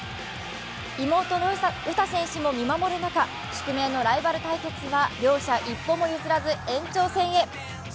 妹の詩選手も見守る中、宿命のライバル対決は両者一歩も譲らず延長戦へ。